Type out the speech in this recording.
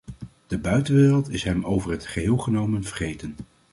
De buitenwereld is hem over het geheel genomen vergeten.